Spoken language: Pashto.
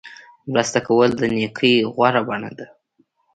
مرسته کول د نیکۍ غوره بڼه ده.